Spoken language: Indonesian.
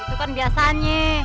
itu kan biasanya